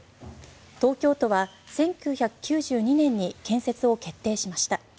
東京都は１９９２年に建設を決定しました。